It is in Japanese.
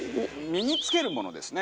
身につけるものですね。